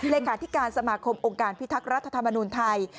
เลขาธิการสมาคมองค์การพิทักษ์รัฐธรรมนุนไทย